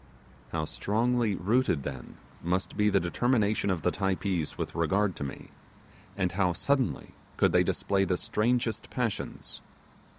How strongly rooted, then, must be the determination of the Typees with regard to me, and how suddenly could they display the strangest passions!